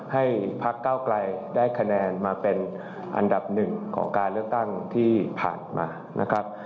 ให้พักเก้าไกลได้คะแนนมาเป็นอันดับหนึ่งของการเลือกตั้งที่ผ่านมานะครับ